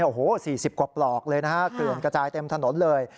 โอ้โห๔๐กว่าปลอกเลยนะฮะเกลื่อนกระจายเต็มถนนเลย